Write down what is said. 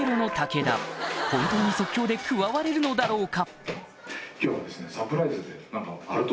本当に即興で加われるのだろうか？